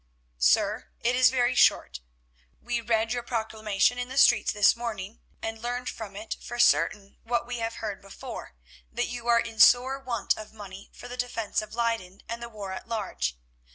"Sir, it is very short. We read your proclamation in the streets this morning, and learned from it for certain what we have heard before, that you are in sore want of money for the defence of Leyden and the war at large.